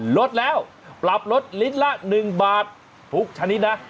ลดแล้วปรับลดลิตรละ๑บาททุกชนิดนะ